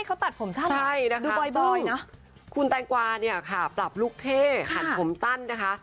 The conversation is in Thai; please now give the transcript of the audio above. เขาตัดผมช่างคุณแตงกวาเนี่ยค่ะปรับลูกเท่หันผมสั้นนะคะ